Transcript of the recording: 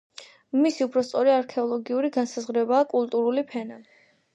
მისი უფრო სწორი არქეოლოგიური განსაზღვრებაა კულტურული ფენა.